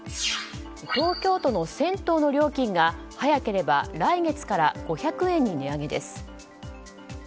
東京都の銭湯の料金が早ければ来月から５００円に値上げです。